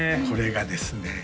これがですね